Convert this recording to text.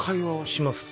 します